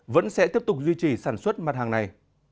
vẫn sẽ tiếp tục duy trì sản xuất mặt hàng này